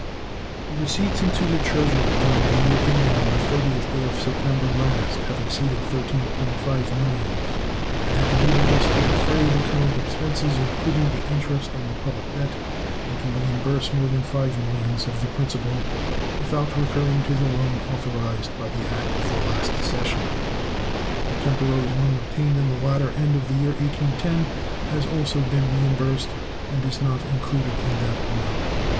The receipts into the Treasury during the year ending on the 30th day of September last have exceeded $13.5 millions, and have enabled us to defray the current expenses, including the interest on the public debt, and to reimburse more than $5 millions of the principal without recurring to the loan authorized by the act of the last session. The temporary loan obtained in the latter end of the year 1810 has also been reimbursed, and is not included in that amount.